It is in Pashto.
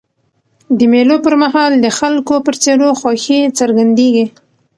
د مېلو پر مهال د خلکو پر څېرو خوښي څرګندېږي.